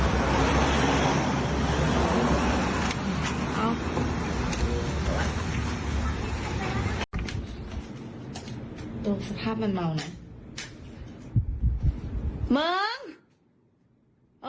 สภาพมันเมานะ